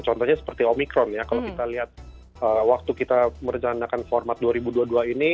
contohnya seperti omikron ya kalau kita lihat waktu kita merencanakan format dua ribu dua puluh dua ini